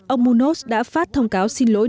ông munoz đã phát thông cáo xin lỗi